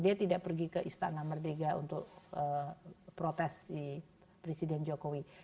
dia tidak pergi ke istana merdeka untuk protes di presiden jokowi